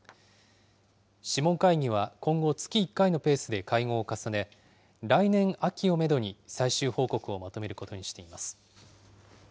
諮問会議は今後月１回のペースで会合を重ね、来年秋をめどに最終報告をまとめることにしています。